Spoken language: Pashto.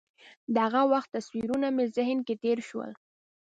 د هغه وخت تصویرونه مې ذهن کې تېر شول.